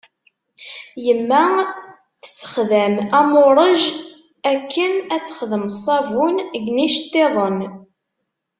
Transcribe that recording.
Yemma tsexdam amuṛej akken ad texdem ṣṣabun n yiceṭṭiḍen.